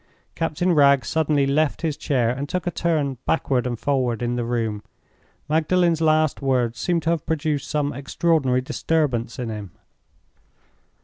Captain Wragge suddenly left his chair, and took a turn backward and forward in the room. Magdalen's last words seemed to have produced some extraordinary disturbance in him.